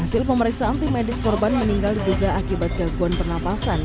hasil pemeriksaan tim medis korban meninggal juga akibat gaguan pernafasan